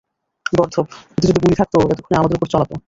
গর্দভ, ওতে যদি গুলি থাকতো, এতক্ষণে আমাদের উপর চালাতো।